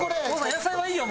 野菜はいいよ